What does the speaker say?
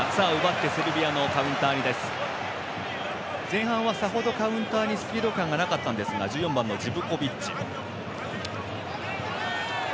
前半は、さほどフォワードにスピード感がなかったんですが１４番のジブコビッチ。